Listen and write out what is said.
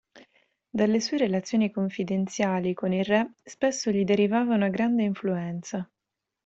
Dalle sue relazioni confidenziali con il re spesso gli derivava una grande influenza.